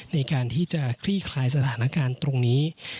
ในการที่จะคลี่คลายสถานการณ์ตรงนี้